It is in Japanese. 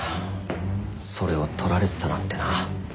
それを撮られてたなんてな。